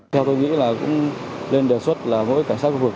theo tôi nghĩ là cũng nên đề xuất là mỗi cảnh sát khu vực